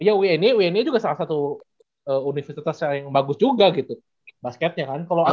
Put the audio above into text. iya wnj juga salah satu universitas yang bagus juga gitu basketnya kan